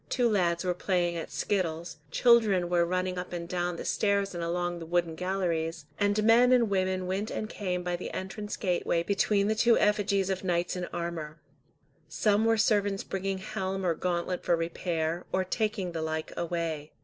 Two lads were playing at skittles, children were running up and down the stairs and along the wooden galleries, and men and women went and came by the entrance gateway between the two effigies of knights in armour. Some were servants bringing helm or gauntlet for repair, or taking the like away.